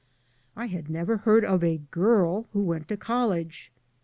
I had never heard of a girl who went to college.